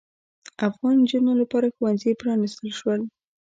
افغان نجونو لپاره ښوونځي پرانیستل شول.